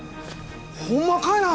ホンマかいな！